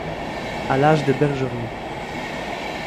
À l’âge des bergeries